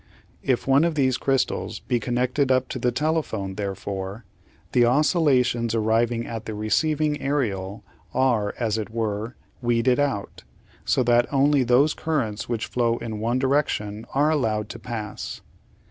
If one of these crystals be connected up to the telephone, therefore, the oscillations arriving at the receiving aerial are, as it were, weeded out, so that only those currents which flow in one direction are allowed to pass.